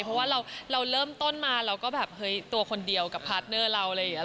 เพราะว่าเราเริ่มต้นมาเราก็แบบเฮ้ยตัวคนเดียวกับพาร์ทเนอร์เราอะไรอย่างนี้